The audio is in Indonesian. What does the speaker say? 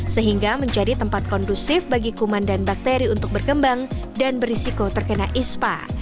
sehingga menjadi tempat kondusif bagi kuman dan bakteri untuk berkembang dan berisiko terkena ispa